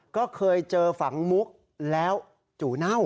ก็เคยเจอฝังมุกแล้วจู่เน่า